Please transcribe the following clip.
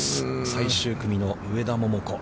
最終組の上田桃子。